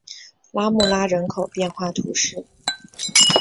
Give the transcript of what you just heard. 拉穆拉人口变化图示